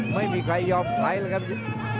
ไม่มีใครยอมใครเลยครับ